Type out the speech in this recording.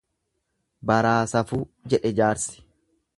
Baraa safuu jedhe jaarsi.